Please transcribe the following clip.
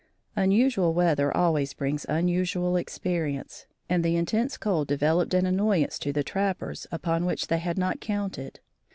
Unusual weather always brings unusual experience, and the intense cold developed an annoyance to the trappers upon which they had not counted.